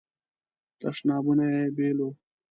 تشنابونه یې بیل وو.